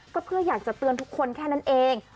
ก็เพื่ออยากจะเตือนทุกคนแค่นั้นเอง